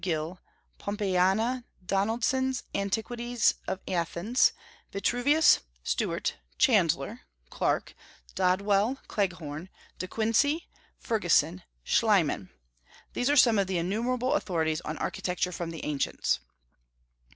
Gill, Pompeiana; Donaldson's Antiquities of Athens; Vitruvius, Stuart, Chandler, Clarke, Dodwell, Cleghorn, De Quincey, Fergusson, Schliemann, these are some of the innumerable authorities on Architecture among the ancients.